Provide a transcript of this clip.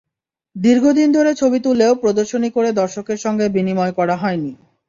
দীর্ঘদিন ধরে ছবি তুললেও প্রদর্শনী করে দর্শকের সঙ্গে বিনিময় করা হয়নি।